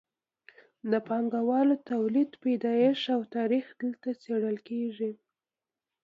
د پانګوالي تولید پیدایښت او تاریخ دلته څیړل کیږي.